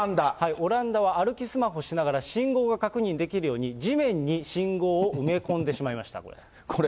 オランダは歩きスマホをしながら信号が確認できるように、地面に信号を埋め込んでしまいました、これ。